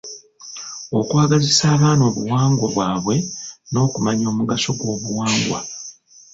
Okwagazisa abaana obuwangwa bwabwe n’okumanya omugaso gw’obuwangwa.